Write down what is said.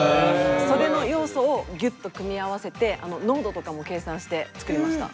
それの要素をギュッと組み合わせて濃度とかも計算して作りました。